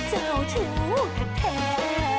เจ้าชู้กับแท่